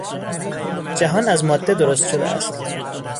جهان از ماده درست شده است.